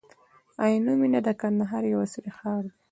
عینو مېنه د کندهار یو عصري ښار دی.